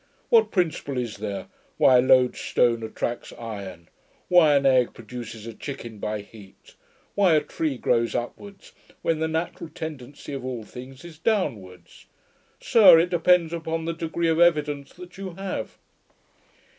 What principle is there, why a loadstone attracts iron? Why an egg produces a chicken by heat? Why a tree grows upwards, when the natural tendency of all things is downwards? Sir, it depends upon the degree of evidence that you have.'